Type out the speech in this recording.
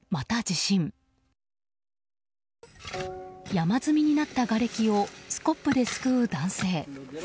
山積みになったがれきをスコップですくう男性。